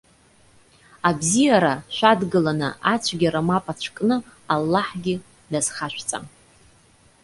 Абзиара шәадгыланы, ацәгьара мап ацәкны, Аллаҳгьы дазхашәҵа.